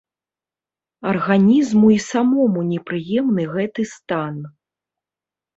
Арганізму і самому непрыемны гэты стан.